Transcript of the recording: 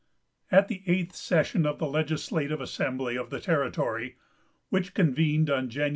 At the eighth session of the legislative assembly of the territory, which convened on Jan.